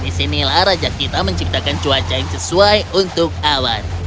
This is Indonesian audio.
disinilah raja kita menciptakan cuaca yang sesuai untuk awan